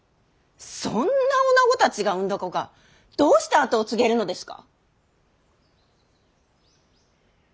そんな女子たちが産んだ子がどうして跡を継げるのですか。